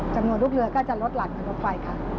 จำนวนลูกเรือก็จะลดหลั่นกว่าลูกไฟ